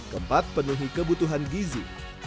kempat penuhi kebutuhan gizi